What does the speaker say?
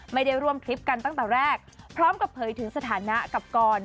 ไม่ได้ร่วมคลิปกันตั้งแต่แรกพร้อมกับเผยถึงสถานะกับกร